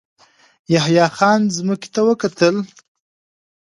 يحيی خان ځمکې ته وکتل.